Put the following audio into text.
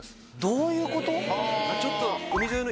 どういうこと？